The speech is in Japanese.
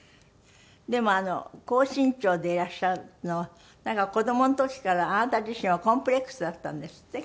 でも高身長でいらっしゃるのは子供の時からあなた自身はコンプレックスだったんですって？